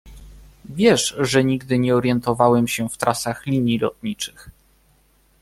Wiesz, że nigdy nie orientowałem się w trasach linii lotniczych.